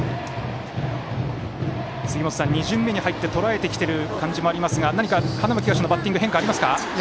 杉本さん、２巡目に入ってとらえてきている感じありますが何か、花巻東のバッティングに変化はありますか？